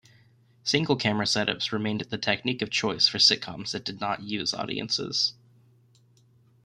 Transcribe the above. Single-camera setups remained the technique of choice for sitcoms that did not use audiences.